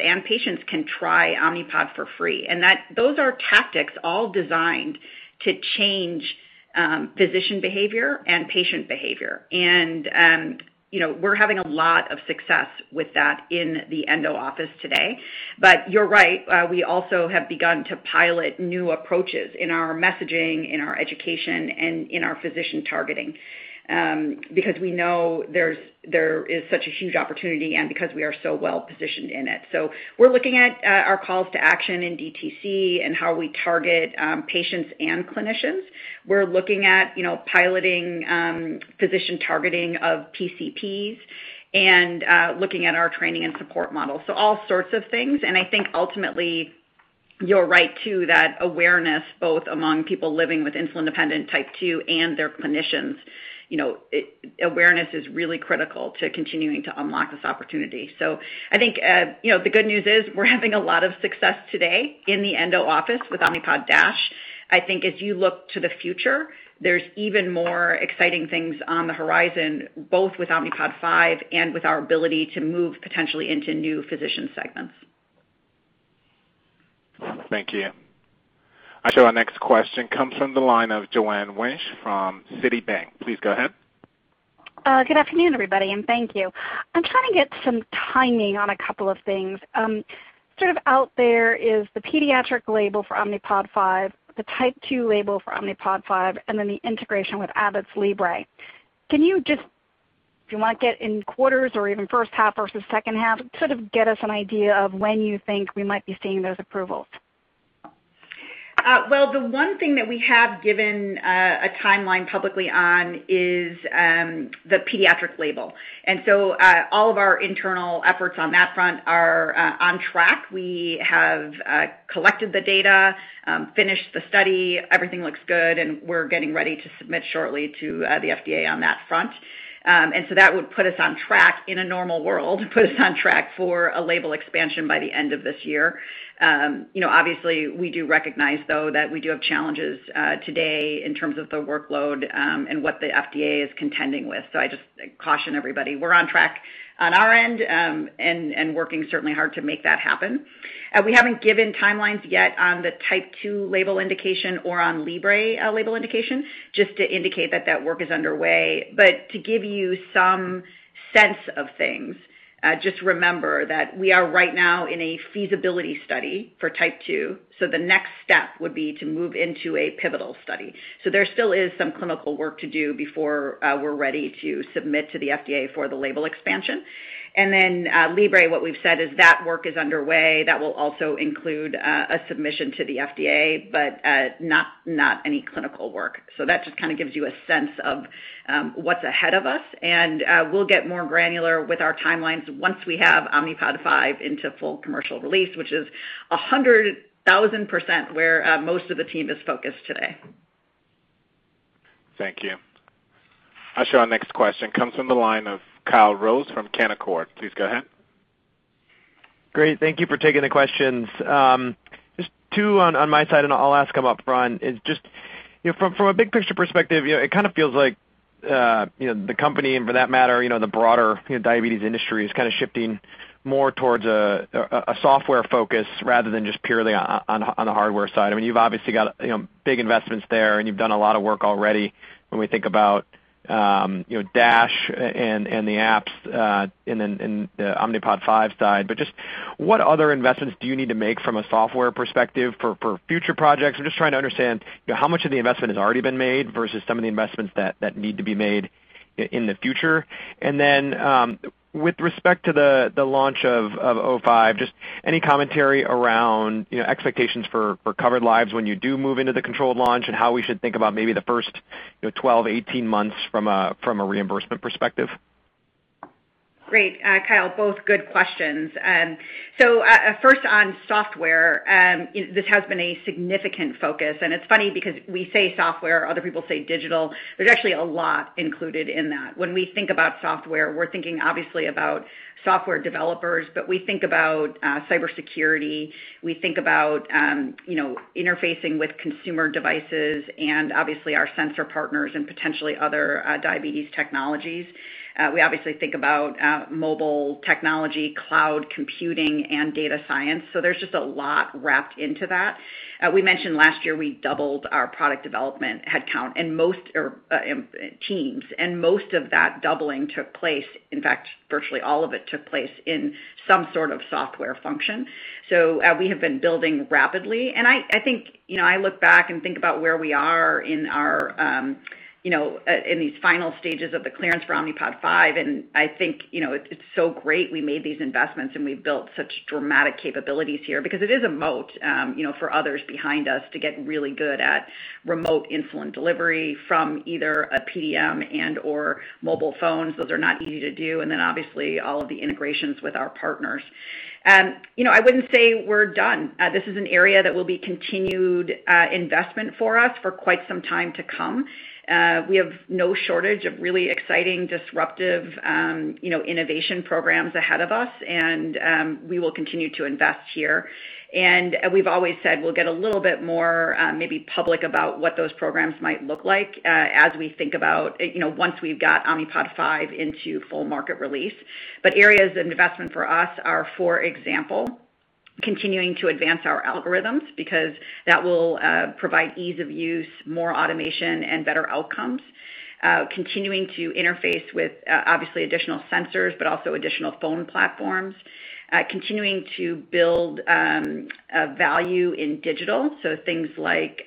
and patients can try Omnipod for free. Those are tactics all designed to change physician behavior and patient behavior. We're having a lot of success with that in the endo office today. you're right, we also have begun to pilot new approaches in our messaging, in our education, and in our physician targeting because we know there is such a huge opportunity and because we are so well positioned in it. we're looking at our calls to action in DTC and how we target patients and clinicians. We're looking at piloting physician targeting of PCPs and looking at our training and support models. all sorts of things, and I think ultimately you're right too that awareness, both among people living with insulin-dependent type 2 and their clinicians. Awareness is really critical to continuing to unlock this opportunity. I think the good news is we're having a lot of success today in the endo office with Omnipod DASH. I think as you look to the future, there's even more exciting things on the horizon, both with Omnipod 5 and with our ability to move potentially into new physician segments. Thank you. I show our next question comes from the line of Joanne Wuensch from Citibank. Please go ahead. Good afternoon, everybody, and thank you. I'm trying to get some timing on a couple of things. Sort of out there is the pediatric label for Omnipod 5, the type 2 label for Omnipod 5, and then the integration with Abbott's Libre. Can you just, if you want, get in quarters or even first half versus second half, sort of get us an idea of when you think we might be seeing those approvals? Well, the one thing that we have given a timeline publicly on is the pediatric label. All of our internal efforts on that front are on track. We have collected the data, finished the study. Everything looks good, and we're getting ready to submit shortly to the FDA on that front. That would put us on track in a normal world, put us on track for a label expansion by the end of this year. Obviously, we do recognize, though, that we do have challenges today in terms of the workload, and what the FDA is contending with. I just caution everybody. We're on track on our end, and working certainly hard to make that happen. We haven't given timelines yet on the type 2 label indication or on Libre label indication just to indicate that that work is underway. To give you some sense of things, just remember that we are right now in a feasibility study for type 2, so the next step would be to move into a pivotal study. There still is some clinical work to do before we're ready to submit to the FDA for the label expansion. Libre, what we've said is that work is underway. That will also include a submission to the FDA, but not any clinical work. That just kind of gives you a sense of what's ahead of us. We'll get more granular with our timelines once we have Omnipod 5 into full commercial release, which is 100,000% where most of the team is focused today. Thank you. Our next question comes from the line of Kyle Rose from Canaccord. Please go ahead. Great. Thank you for taking the questions. Just two on my side, and I'll ask them upfront. From a big picture perspective, it kind of feels like the company, and for that matter, the broader diabetes industry, is kind of shifting more towards a software focus rather than just purely on the hardware side. You've obviously got big investments there, and you've done a lot of work already when we think about DASH and the apps in the Omnipod 5 side. Just what other investments do you need to make from a software perspective for future projects? I'm just trying to understand how much of the investment has already been made versus some of the investments that need to be made in the future. With respect to the launch of O5, just any commentary around expectations for covered lives when you do move into the controlled launch and how we should think about maybe the first 12 months-18 months from a reimbursement perspective? Great. Kyle, both good questions. First on software, this has been a significant focus, and it's funny because we say software, other people say digital. There's actually a lot included in that. When we think about software, we're thinking obviously about software developers, but we think about cybersecurity. We think about interfacing with consumer devices and obviously our sensor partners and potentially other diabetes technologies. We obviously think about mobile technology, cloud computing, and data science. There's just a lot wrapped into that. We mentioned last year we doubled our product development headcount teams, and most of that doubling took place, in fact, virtually all of it took place in some sort of software function. We have been building rapidly. I look back and think about where we are in these final stages of the clearance for Omnipod 5, and I think it's so great we made these investments and we've built such dramatic capabilities here because it is a moat for others behind us to get really good at remote insulin delivery from either a PDM and/or mobile phones. Those are not easy to do. Obviously all of the integrations with our partners. I wouldn't say we're done. This is an area that will be continued investment for us for quite some time to come. We have no shortage of really exciting, disruptive innovation programs ahead of us, and we will continue to invest here. We've always said we'll get a little bit more maybe public about what those programs might look like as we think about once we've got Omnipod 5 into full market release. Areas of investment for us are, for example, continuing to advance our algorithms because that will provide ease of use, more automation, and better outcomes. Continuing to interface with obviously additional sensors, but also additional phone platforms. Continuing to build value in digital. Things like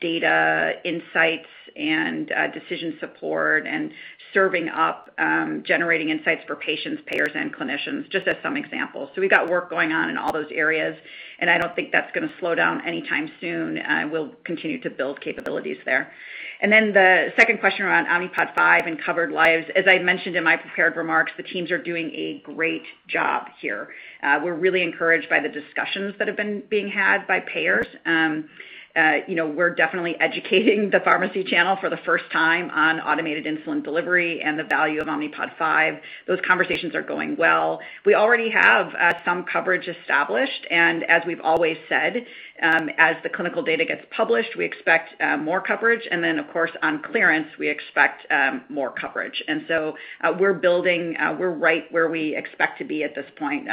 data insights and decision support and serving up generating insights for patients, payers, and clinicians, just as some examples. We've got work going on in all those areas, and I don't think that's going to slow down anytime soon. We'll continue to build capabilities there. Then the second question around Omnipod 5 and covered lives. As I mentioned in my prepared remarks, the teams are doing a great job here. We're really encouraged by the discussions that have been being had by payers. We're definitely educating the pharmacy channel for the first time on automated insulin delivery and the value of Omnipod 5. Those conversations are going well. We already have some coverage established, and as we've always said, as the clinical data gets published, we expect more coverage. Then, of course, on clearance, we expect more coverage. We're building. We're right where we expect to be at this point.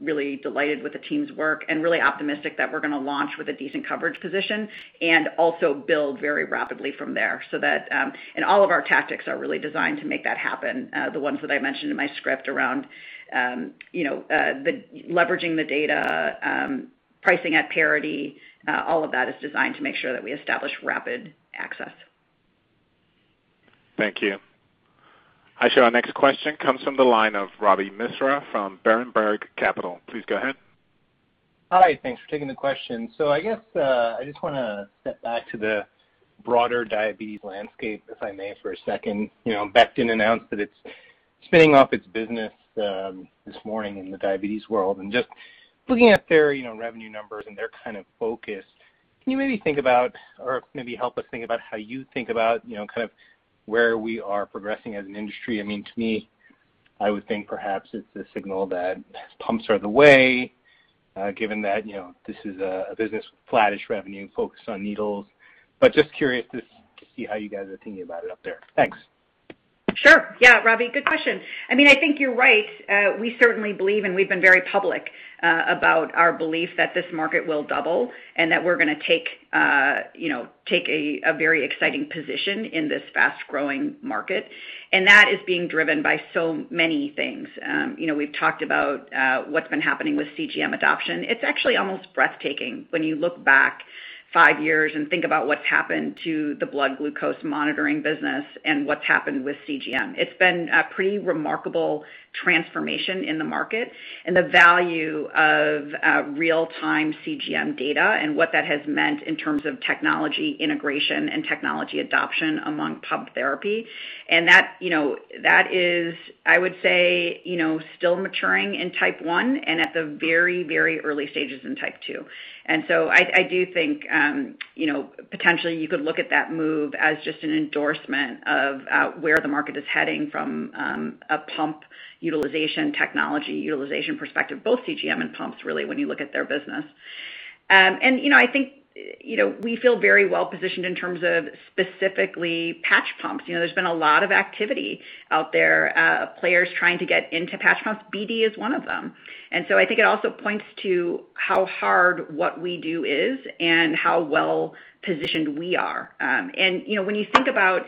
Really delighted with the team's work and really optimistic that we're going to launch with a decent coverage position and also build very rapidly from there. All of our tactics are really designed to make that happen. The ones that I mentioned in my script around leveraging the data, pricing at parity, all of that is designed to make sure that we establish rapid access. Thank you. Our next question comes from the line of Ravi Misra from Berenberg Capital. Please go ahead. Hi. Thanks for taking the question. I guess I just want to step back to the broader diabetes landscape, if I may, for a second. Becton announced that it's spinning off its business this morning in the diabetes world. Just looking at their revenue numbers and their kind of focus, can you maybe think about, or maybe help us think about how you think about kind of where we are progressing as an industry? To me, I would think perhaps it's a signal that pumps are the way, given that this is a business with flattish revenue focused on needles. Just curious to see how you guys are thinking about it up there. Thanks. Sure. Yeah, Robbie, good question. I think you're right. We certainly believe, and we've been very public about our belief that this market will double and that we're going to take a very exciting position in this fast-growing market. That is being driven by so many things. We've talked about what's been happening with CGM adoption. It's actually almost breathtaking when you look back five years and think about what's happened to the blood glucose monitoring business and what's happened with CGM. It's been a pretty remarkable transformation in the market and the value of real-time CGM data and what that has meant in terms of technology integration and technology adoption among pump therapy. That is, I would say, still maturing in type 1 and at the very early stages in type 2. I do think, potentially you could look at that move as just an endorsement of where the market is heading from a pump utilization, technology utilization perspective, both CGM and pumps really when you look at their business. I think we feel very well-positioned in terms of specifically patch pumps. There's been a lot of activity out there of players trying to get into patch pumps. BD is one of them. I think it also points to how hard what we do is and how well-positioned we are. When you think about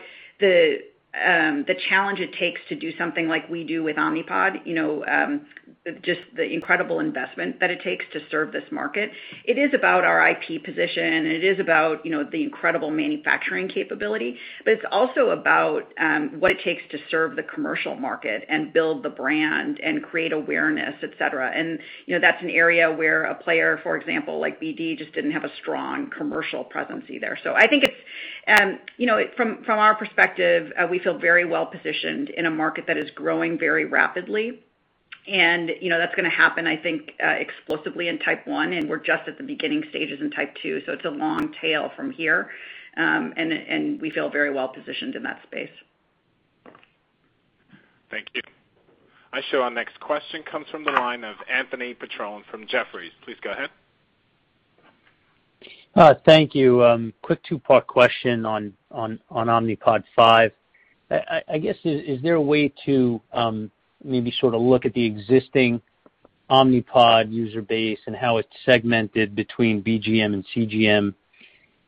the challenge it takes to do something like we do with Omnipod, just the incredible investment that it takes to serve this market, it is about our IP position, and it is about the incredible manufacturing capability. It's also about what it takes to serve the commercial market and build the brand and create awareness, et cetera. That's an area where a player, for example, like BD, just didn't have a strong commercial presence either. I think from our perspective, we feel very well-positioned in a market that is growing very rapidly. That's going to happen, I think, explosively in type 1, and we're just at the beginning stages in type 2, so it's a long tail from here. We feel very well-positioned in that space. Thank you. I show our next question comes from the line of Anthony Petrone from Jefferies. Please go ahead. Thank you. Quick two-part question on Omnipod 5. I guess is there a way to maybe sort of look at the existing Omnipod user base and how it's segmented between BGM and CGM?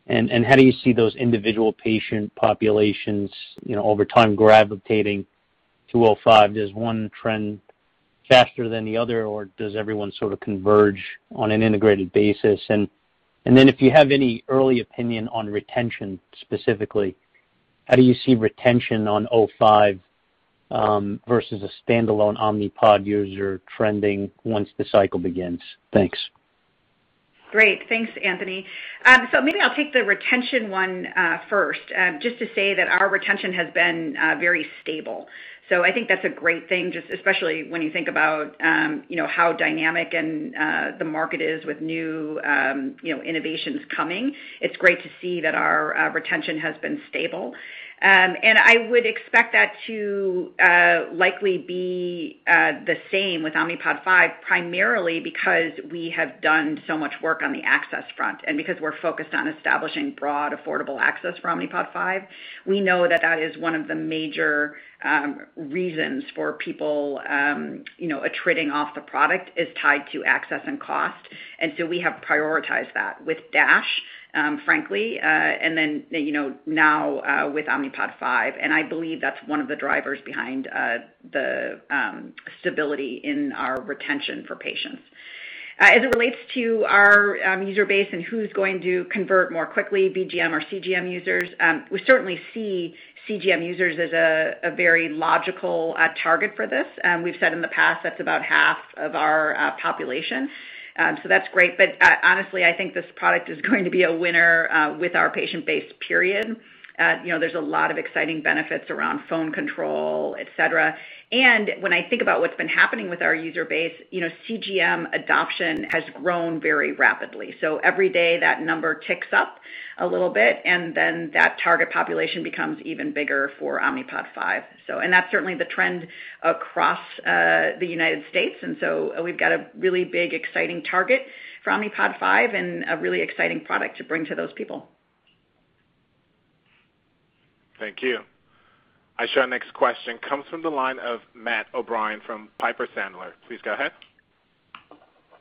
How do you see those individual patient populations over time gravitating to O5? Does one trend faster than the other, or does everyone sort of converge on an integrated basis? If you have any early opinion on retention specifically, how do you see retention on O5 versus a standalone Omnipod user trending once the cycle begins? Thanks. Great. Thanks, Anthony. Maybe I'll take the retention one first. Just to say that our retention has been very stable. I think that's a great thing, just especially when you think about how dynamic and the market is with new innovations coming. It's great to see that our retention has been stable. I would expect that to likely be the same with Omnipod 5, primarily because we have done so much work on the access front, because we're focused on establishing broad, affordable access for Omnipod 5. We know that that is one of the major reasons for people attriting off the product is tied to access and cost. We have prioritized that with DASH, frankly, now with Omnipod 5, I believe that's one of the drivers behind the stability in our retention for patients. As it relates to our user base and who's going to convert more quickly, BGM or CGM users, we certainly see CGM users as a very logical target for this. We've said in the past, that's about half of our population. That's great. Honestly, I think this product is going to be a winner with our patient base, period. There's a lot of exciting benefits around phone control, et cetera. When I think about what's been happening with our user base, CGM adoption has grown very rapidly. Every day, that number ticks up a little bit, and then that target population becomes even bigger for Omnipod 5. That's certainly the trend across the United States, and so we've got a really big, exciting target for Omnipod 5 and a really exciting product to bring to those people. Thank you. I show our next question comes from the line of Matt O'Brien from Piper Sandler. Please go ahead.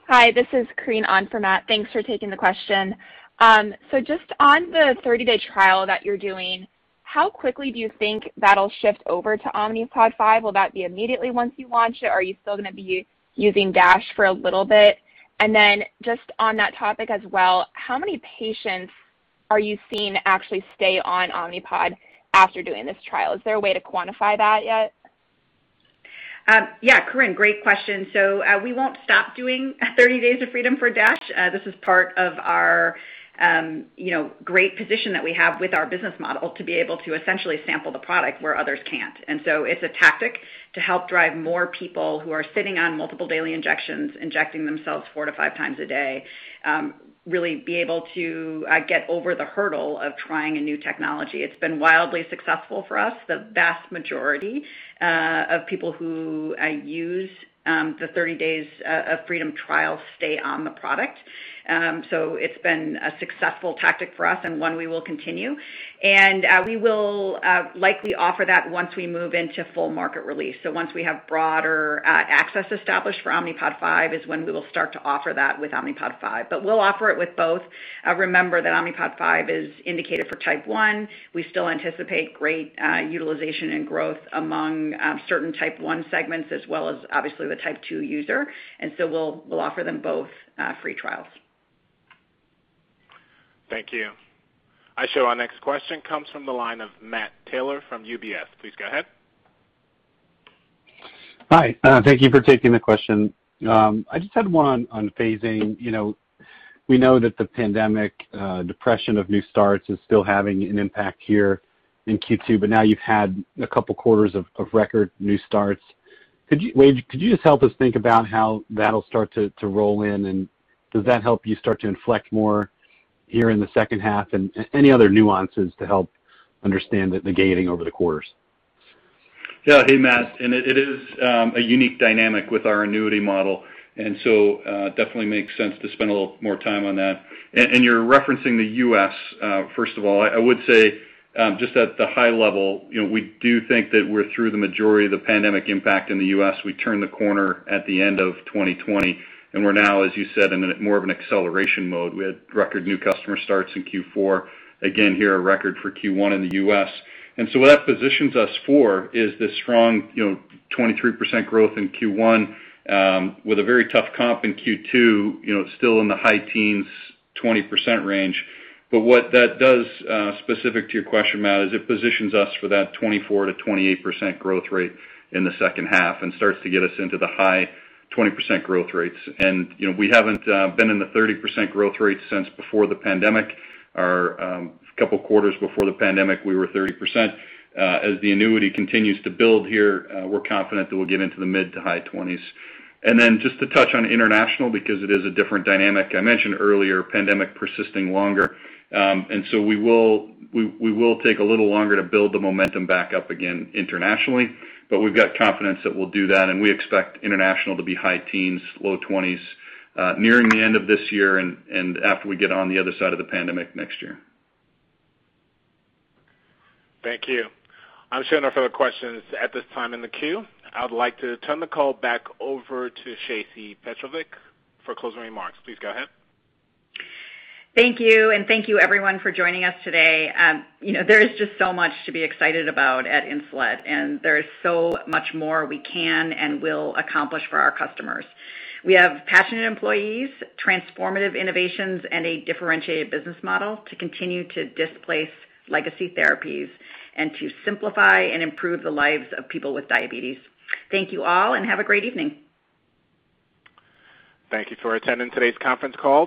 Hi, this is Corinne on for Matt. Thanks for taking the question. Just on the 30 Days of Freedom trial that you're doing, how quickly do you think that'll shift over to Omnipod 5? Will that be immediately once you launch it? Are you still going to be using Omnipod DASH for a little bit? Just on that topic as well, how many patients are you seeing actually stay on Omnipod after doing this trial? Is there a way to quantify that yet? Yeah, Corinne. Great question. We won't stop doing 30 Days of Freedom for DASH. This is part of our great position that we have with our business model to be able to essentially sample the product where others can't. It's a tactic to help drive more people who are sitting on multiple daily injections, injecting themselves four to five times a day really be able to get over the hurdle of trying a new technology. It's been wildly successful for us. The vast majority of people who use the 30 Days of Freedom trial stay on the product. It's been a successful tactic for us and one we will continue. We will likely offer that once we move into full market release. Once we have broader access established for Omnipod 5 is when we will start to offer that with Omnipod 5. We'll offer it with both. Remember that Omnipod 5 is indicated for type 1. We still anticipate great utilization and growth among certain type 1 segments as well as obviously the type 2 user. We'll offer them both free trials. Thank you. I show our next question comes from the line of Matt Taylor from UBS. Please go ahead. Hi. Thank you for taking the question. I just had one on phasing. We know that the pandemic depression of new starts is still having an impact here in Q2, but now you've had a couple quarters of record new starts. Wayde, could you just help us think about how that'll start to roll in, and does that help you start to inflect more here in the second half? Any other nuances to help understand the netting over the quarters? Yeah. Hey, Matt. It is a unique dynamic with our annuity model, and so definitely makes sense to spend a little more time on that. You're referencing the U.S., first of all. I would say, just at the high level, we do think that we're through the majority of the pandemic impact in the U.S. We turned the corner at the end of 2020, and we're now, as you said, in more of an acceleration mode. We had record new customer starts in Q4, again here, a record for Q1 in the U.S. What that positions us for is this strong 23% growth in Q1, with a very tough comp in Q2, still in the high teens, 20% range. What that does, specific to your question, Matt, is it positions us for that 24%-28% growth rate in the second half, and starts to get us into the high 20% growth rates. We haven't been in the 30% growth rate since before the pandemic, or couple quarters before the pandemic, we were 30%. As the annuity continues to build here, we're confident that we'll get into the mid to high 20s. Just to touch on international, because it is a different dynamic. I mentioned earlier, pandemic persisting longer. We will take a little longer to build the momentum back up again internationally, but we've got confidence that we'll do that, and we expect international to be high teens, low 20s, nearing the end of this year and after we get on the other side of the pandemic next year. Thank you. I'm showing no further questions at this time in the queue. I would like to turn the call back over to Shacey Petrovic for closing remarks. Please go ahead. Thank you, and thank you everyone for joining us today. There is just so much to be excited about at Insulet, and there is so much more we can and will accomplish for our customers. We have passionate employees, transformative innovations, and a differentiated business model to continue to displace legacy therapies, and to simplify and improve the lives of people with diabetes. Thank you all, and have a great evening. Thank you for attending today's conference call.